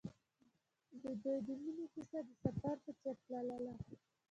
د دوی د مینې کیسه د سفر په څېر تلله.